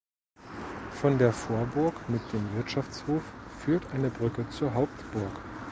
Von der Vorburg mit dem Wirtschaftshof führt eine Brücke zur Hauptburg.